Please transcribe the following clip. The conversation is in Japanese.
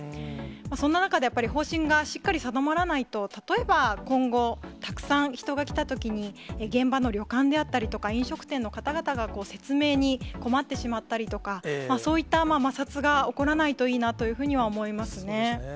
そんな中で、やっぱり方針がしっかり定まらないと、例えば、今後、たくさん人が来たときに、現場の旅館であったりとか、飲食店の方々が説明に困ってしまったりとか、そういった摩擦が起こらないといいなというふうには思いますね。